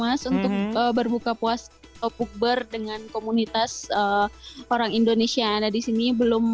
karena saya baru buka puasa pukber dengan komunitas orang indonesia yang ada di sini